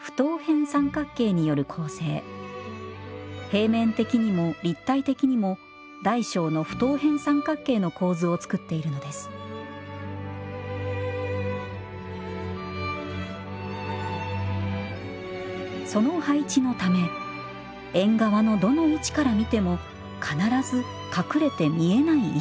平面的にも立体的にも大小の不等辺三角形の構図をつくっているのですその配置のため縁側のどの位置から見ても必ず隠れて見えない石が。